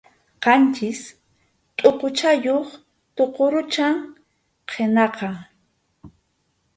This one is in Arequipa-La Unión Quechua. Qanchis tʼuquchayuq tuqurucham qinaqa.